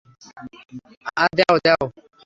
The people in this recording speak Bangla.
আরে দেও, দেও!